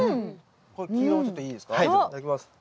この黄色もちょっといいですか？